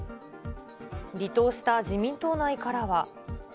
離党した自民党内からは。